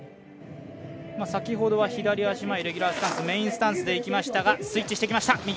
先ほどは左足前レギュラースタンス、メインスタンスでいきましたがスイッチしてきました、